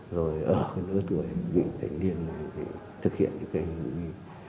rồi ở cái nơi tuổi vị thành niên thực hiện những cái hữu y